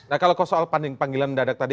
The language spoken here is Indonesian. nah kalau soal panggilan mendadak tadi